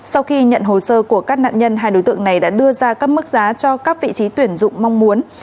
sau khi nhận hồ sơ của các nạn nhân hai đối tượng này đã đưa ra các mức giá cho các vị trí tuyển dụng mong muốn